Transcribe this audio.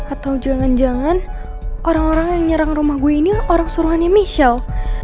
atau jangan jangan orang orang yang nyerang rumah gue ini orang suruhannya michelle